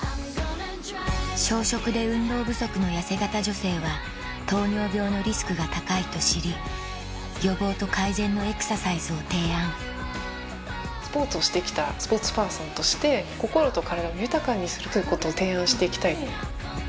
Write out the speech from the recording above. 小食で運動不足の痩せ形女性は糖尿病のリスクが高いと知り予防と改善のエクササイズを提案スポーツをして来たスポーツパーソンとして心と体を豊かにするということを提案して行きたい。